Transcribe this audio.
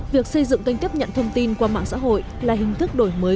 việc xây dựng kênh tiếp nhận thông tin qua mạng xã hội là hình thức đổi mới